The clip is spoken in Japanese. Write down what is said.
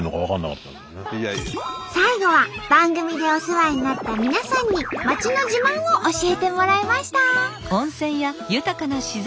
最後は番組でお世話になった皆さんに町の自慢を教えてもらいました。